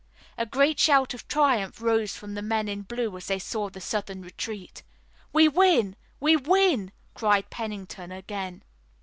A great shout of triumph rose from the men in blue as they saw the Southern retreat. "We win! We win!" cried Pennington again.